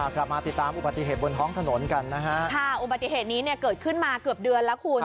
กลับมาติดตามอุบัติเหตุบนท้องถนนกันนะฮะค่ะอุบัติเหตุนี้เนี่ยเกิดขึ้นมาเกือบเดือนแล้วคุณ